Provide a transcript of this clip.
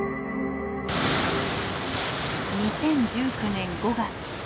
２０１９年５月。